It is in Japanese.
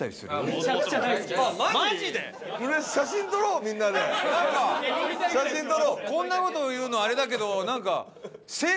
マジで⁉こんなこと言うのあれだけど何か。